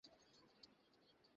থামো, থামো, থামো!